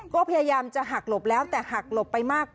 ก็พยายามจะหักหลบแล้วแต่หักหลบไปมาก